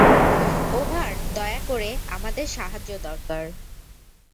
Over দয়া করে, আমাদের সাহায্য দরকার।